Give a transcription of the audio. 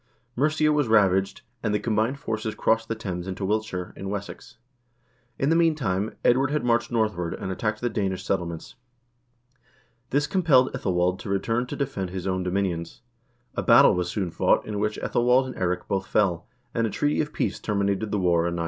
Mercia was ravaged, and the combined forces crossed the Thames into Wilt shire, in Wessex. In the meantime Edward had marched north ward, and attacked the Danish settlements. This compelled iEthel wald to return to defend his own dominions. A battle was soon fought, in which ^Ethelwald and Eirik both fell, and a treaty of peace terminated the war in 903.